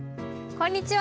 こんにちは。